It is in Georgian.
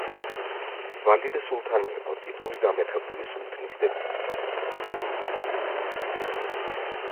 ვალიდე სულთანი იყო ტიტული გამეფებული სულთნის დედისთვის.